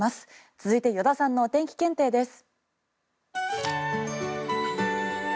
続いて依田さんのお天気検定です。